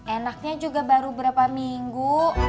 enaknya juga baru berapa minggu